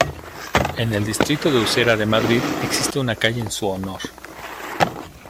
En el distrito de Usera de Madrid existe una calle en su honor.